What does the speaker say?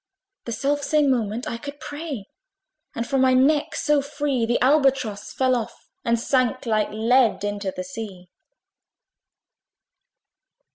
The self same moment I could pray; And from my neck so free The Albatross fell off, and sank Like lead into the sea.